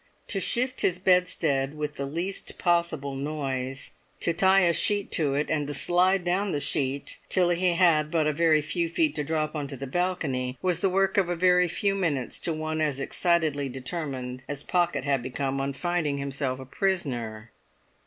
To shift his bedstead with the least possible noise, to tie a sheet to it, and to slide down the sheet till he had but a few feet to drop into the balcony, was the work of a very few minutes to one as excitedly determined as Pocket had become on finding himself a prisoner.